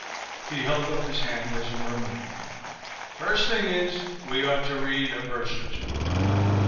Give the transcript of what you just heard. He held up his hand as a murmur began. "First thing is, we ought to read a verse or two."